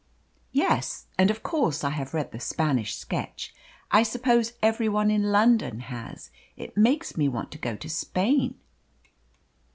"Yes and of course I have read the Spanish sketch. I suppose every one in London has! It makes me want to go to Spain."